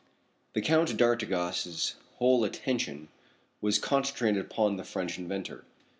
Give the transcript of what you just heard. The Count d'Artigas' whole attention was concentrated upon the French inventor.